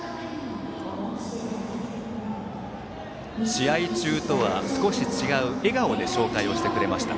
試合中とは少し違う笑顔で紹介をしてくれました。